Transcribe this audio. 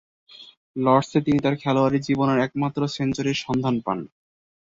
লর্ডসে তিনি তার খেলোয়াড়ী জীবনের একমাত্র সেঞ্চুরির সন্ধান পান।